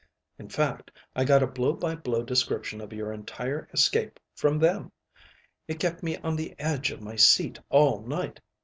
In fact, I got a blow by blow description of your entire escape from them. It kept me on the edge of my seat all night.